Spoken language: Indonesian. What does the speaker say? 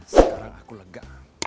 sekarang aku lega